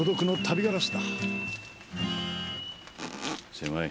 狭い。